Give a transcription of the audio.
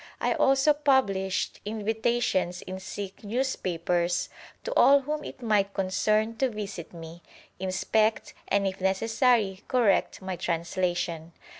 I also published invitations in Sikh newspapers to all whom it might concern to visit me, inspect, and if necessary correct my translation.